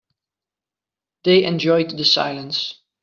They enjoyed the silence.